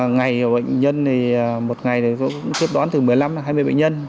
ngày bệnh nhân thì một ngày tôi cũng tiếp đón từ một mươi năm đến hai mươi bệnh nhân